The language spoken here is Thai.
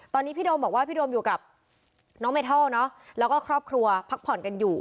ตอนนี้พี่โดมบอกว่าพี่โดมอยู่กับน้องเมทัลเนอะแล้วก็ครอบครัวพักผ่อนกันอยู่